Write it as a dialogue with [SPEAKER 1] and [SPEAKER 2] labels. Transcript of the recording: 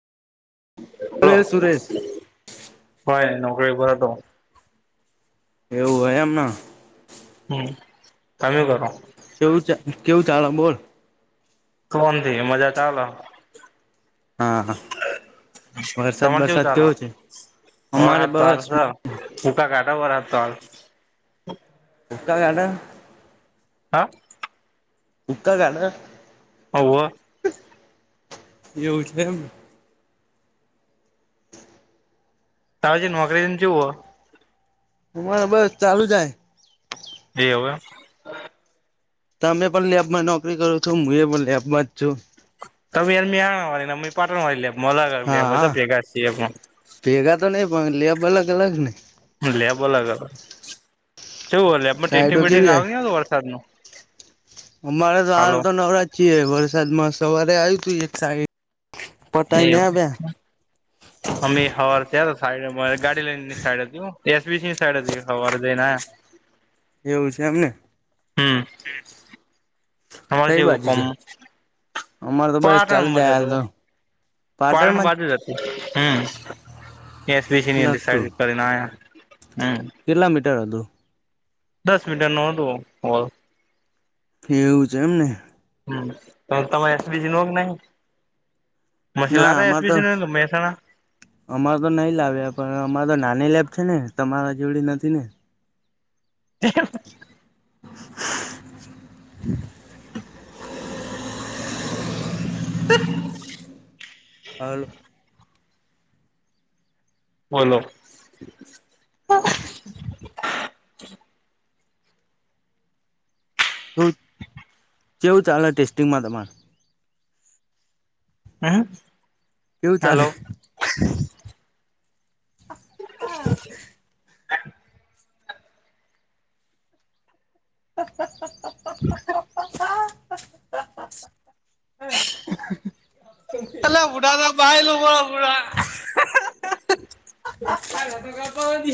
[SPEAKER 1] Hello
[SPEAKER 2] અરે સુરેશ
[SPEAKER 1] ભાઈ નોકરી પર હતો.
[SPEAKER 2] એવું હય એમ ના.?
[SPEAKER 1] હમ તમે કરો.?
[SPEAKER 2] કેવું ચા કેવું ચા બોલ?
[SPEAKER 1] [unintelligible]
[SPEAKER 2] હા હા
[SPEAKER 1] [unintelligible]
[SPEAKER 2] વરસાદ બરસાદ
[SPEAKER 1] હકા
[SPEAKER 2] કેવો છે અમારે બસ
[SPEAKER 1] ઘાટા બર તલ.?
[SPEAKER 2] [unintelligible]
[SPEAKER 1] હા!
[SPEAKER 2] [unintelligible]
[SPEAKER 1] હવે.
[SPEAKER 2] એવું છે એમ.?
[SPEAKER 1] તાછી નોકરી જઓ.?
[SPEAKER 2] અમારે બસ ચાલુ જાય.?
[SPEAKER 1] બેવવે.
[SPEAKER 2] તમે પણ લેબમાં નોકરી કરો છો. હું એ પણ લેબમાં જ છું.? હા હા
[SPEAKER 1] [unintelligible]
[SPEAKER 2] ભેગા તો નહીં ભણ લેબ અલગ-અલગ ને.
[SPEAKER 1] લેબ અલગ અલ કેવું હો લેબમાં
[SPEAKER 2] સાઈડો
[SPEAKER 1] ટેસ્ટિંગ વેસ્ટિંગ
[SPEAKER 2] કેવી આવી
[SPEAKER 1] આવ વરસાદ નુ.
[SPEAKER 2] અમારે તો હાલ તો નવરા છીએ વરસાદ માં સવારે આવ્યું તું એક સાહીઠ,
[SPEAKER 1] એવું.
[SPEAKER 2] [inaudible]
[SPEAKER 1] અમે હવાર થયા સાઈડ ગાડી લઈને ની સાઈડ હતી એસબીસી ની સાઈડ હતી હવાર જ ઇન આયા.
[SPEAKER 2] [inaudible] એવું છે એમને.
[SPEAKER 1] હમ તમારે
[SPEAKER 2] કઈ બાજુ છે? અમારે તો બસ ચાલુ
[SPEAKER 1] પારણ
[SPEAKER 2] જાય
[SPEAKER 1] મજા
[SPEAKER 2] હાલ
[SPEAKER 1] તો. પાળન
[SPEAKER 2] પાટણમાં
[SPEAKER 1] બાજુ જ હતી. હમ
[SPEAKER 2] જ
[SPEAKER 1] એસસીની
[SPEAKER 2] લગતું
[SPEAKER 1] અ [unintelligible] ના હમ.
[SPEAKER 2] કેટલા મીટર હતું?
[SPEAKER 1] દસ મિનટ નુ હતું હોલ,
[SPEAKER 2] એવું છે એમને.
[SPEAKER 1] ના ના તમારે એસબીજી નો કે નહી. મશીન
[SPEAKER 2] ના
[SPEAKER 1] લાતા
[SPEAKER 2] અમારે તો.
[SPEAKER 1] એસબીસી નું મહેસાણા
[SPEAKER 2] અમારે તો નહીં લાવ્યા. પણ અમારે તો નાની લેબ છે ને. તમારા જેવડી નથી ને. [inaudible]
[SPEAKER 1] તત.
[SPEAKER 2] હારુ,
[SPEAKER 1] બોલો.
[SPEAKER 2] [inaudible] તો ચેવું ચાલે ટેસ્ટિંગમાં તમારે?
[SPEAKER 1] હમ
[SPEAKER 2] કેવું ચાલે
[SPEAKER 1] હલો. [inaudible]
[SPEAKER 2] હ હ હ,
[SPEAKER 1] હ હ, એલા બુડાદ બાયલ બોળ બ.
[SPEAKER 2] [unintelligible]